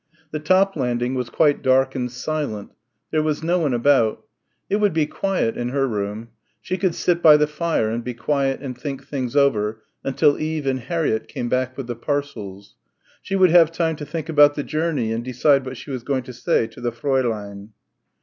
The top landing was quite dark and silent. There was no one about. It would be quiet in her room. She could sit by the fire and be quiet and think things over until Eve and Harriett came back with the parcels. She would have time to think about the journey and decide what she was going to say to the Fräulein.